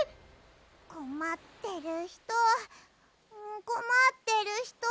こまってるひとこまってるひと。